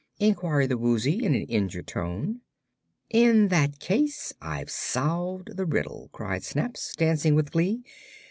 inquired the Woozy, in an injured tone. "In that case, I've solved the riddle," cried Scraps, dancing with glee.